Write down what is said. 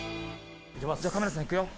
カメラさん、いくよ。